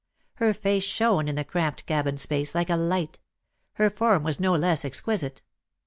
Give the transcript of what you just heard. Her face shone in the cramped cabin space, like a light; her form was no less exquisite.